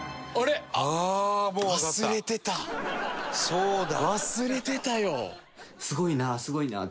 そうだ。